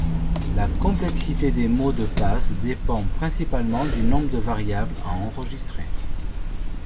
La complexité des mots de passe dépend principalement du nombre de variables à enregistrer.